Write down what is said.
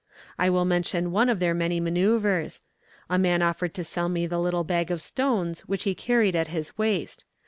"I will mention one of their many manoeuvres. A man offered to sell me the little bag of stones which he carried at his waist.